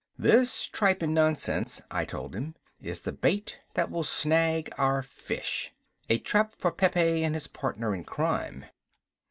"This tripe and nonsense," I told him, "is the bait that will snag our fish. A trap for Pepe and his partner in crime."